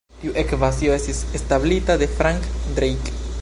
Tiu ekvacio estis establita de Frank Drake.